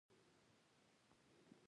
بدرنګه نیت ټول خیرونه له منځه وړي